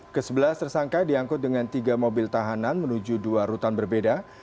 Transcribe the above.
kesebelas tersangka diangkut dengan tiga mobil tahanan menuju dua rutan berbeda